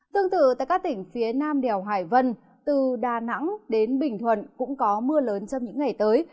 tương tự tại các tỉnh phía nam đèo hải vân từ đà nẵng đến bình thuận cũng có mưa lớn trong những ngày tới